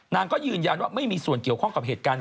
นางก็ยืนยันว่าไม่มีส่วนเกี่ยวข้องกับเหตุการณ์